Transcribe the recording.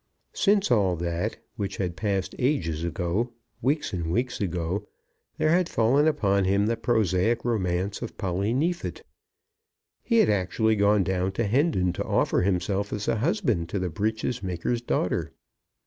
Since all that, which had passed ages ago, weeks and weeks ago, there had fallen upon him the prosaic romance of Polly Neefit. He had actually gone down to Hendon to offer himself as a husband to the breeches maker's daughter.